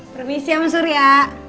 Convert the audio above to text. permisi ama surya